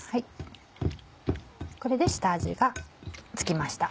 これで下味が付きました。